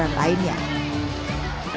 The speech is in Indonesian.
daripada main gadget